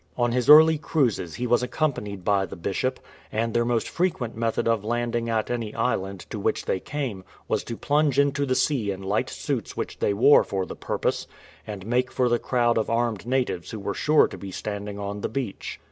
On his early cruises he was accom panied by the Bishop, and their most frequent method of landing at any island to which they came was to plunge 276 HORRORS OF CANNIBALISM into the sea in light suits which they wore for the purpose, and make for the crowd of armed natives who were sure to be standing on the beach.